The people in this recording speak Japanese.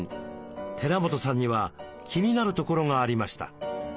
寺本さんには気になるところがありました。